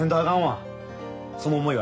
その思い